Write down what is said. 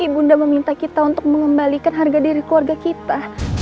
ibunda meminta kita untuk mengembalikan harga diri keluarga kita